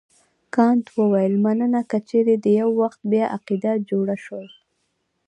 کانت وویل مننه که چیرې دې یو وخت بیا عقیده جوړه شول.